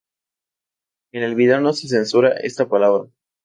En el video no se censura esta palabra.